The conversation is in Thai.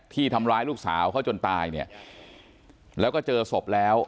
ที่ทำร้ายลูกสาวเขาจนตายเนี่ยแล้วก็เจอศพแล้ว